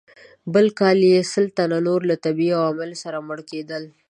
بل کال یې سل تنه نور له طبیعي عواملو مړه کېدل.